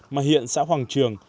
mà hiện xã hoàng trường